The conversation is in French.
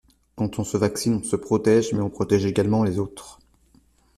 Quand on se vaccine, on se protège mais on protège également les autres.